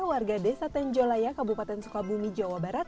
warga desa tenjolaya kabupaten sukabumi jawa barat